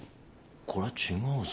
これは違うぞ。